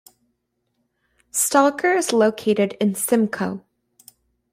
Stalker, is located in Simcoe.